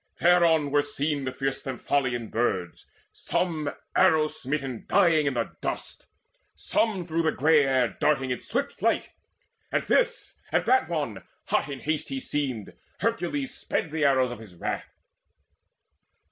Thereon were seen the fierce Stymphalian Birds, Some arrow smitten dying in the dust, Some through the grey air darting in swift flight. At this, at that one hot in haste he seemed Hercules sped the arrows of his wrath.